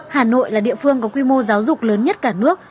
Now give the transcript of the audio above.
hà nội là địa phương có quy mô giáo dục lớn nhất cả nước